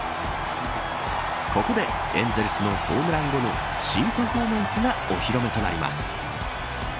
ここでエンゼルスのホームラン後の新パフォーマンスがお披露目となります。